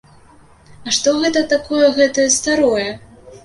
А што гэта такое гэтае старое?